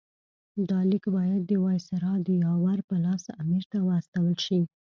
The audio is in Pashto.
دا لیک باید د وایسرا د یاور په لاس امیر ته واستول شي.